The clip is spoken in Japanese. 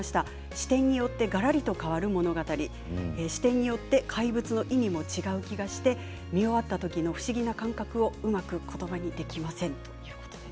視点によってがらりと変わる物語視点によって「怪物」の意味も違う気がして、見終わったあと不思議な感覚で、うまく言葉にできませんということです。